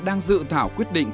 đang dự thảo quyết định